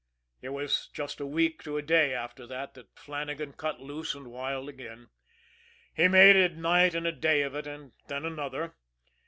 It was just a week to a day after that that Flannagan cut loose and wild again. He made a night and a day of it, and then another.